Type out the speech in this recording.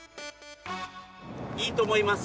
いいと思います。